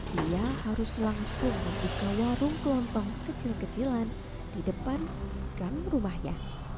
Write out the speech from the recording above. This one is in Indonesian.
dia harus langsung pergi ke warung kelontong kecil kecilan di depan kam rumahnya